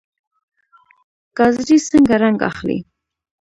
ګازرې څنګه رنګ اخلي؟